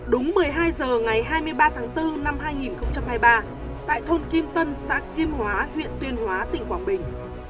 đúng một mươi hai h ngày hai mươi ba tháng bốn năm hai nghìn hai mươi ba tại thôn kim tân xã kim hóa huyện tuyên hóa tỉnh quảng bình